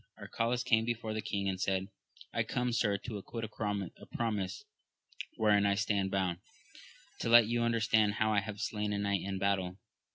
Arcalaus came before the king and said, I come, sir, to acquit a promise wherein I stand bound, to let you understand how I have slain a knight in battle.